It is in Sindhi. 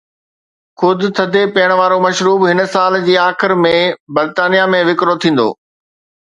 خود ٿڌي پيئڻ وارو مشروب هن سال جي آخر ۾ برطانيه ۾ وڪرو ٿيندو.